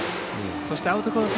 そして、アウトコース